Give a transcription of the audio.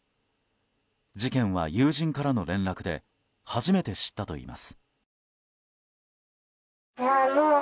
事件は、友人からの連絡で初めて知ったといいます。